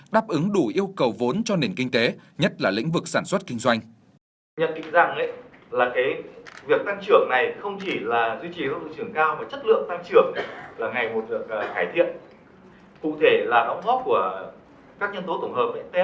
một mươi bảy đáp ứng đủ yêu cầu vốn cho nền kinh tế nhất là lĩnh vực sản xuất kinh doanh